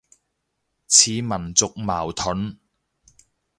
似民族矛盾